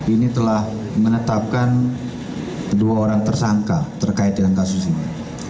ini telah menetapkan dua orang tersangka terkait dengan kasus ini